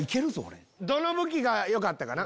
どの武器がよかったかな？